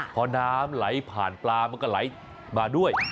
พอน้ำไหลผ่านปลามันก็ไหลมาด้วย